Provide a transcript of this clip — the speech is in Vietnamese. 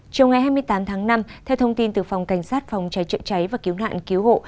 trong ngày hai mươi tám tháng năm theo thông tin từ phòng cảnh sát phòng trái chợ cháy và cứu nạn cứu hộ